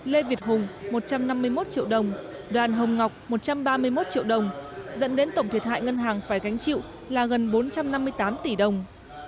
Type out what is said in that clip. lê việt hùng một trăm năm mươi một triệu đồng đoàn hồng ngọc một trăm ba mươi một triệu đồng dẫn đến tổng thiệt hại ngân hàng phải gánh chịu là gần bốn trăm năm mươi tám tỷ đồng